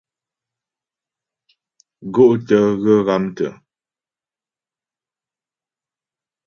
Gó'tə̂ ghə ghámtə́.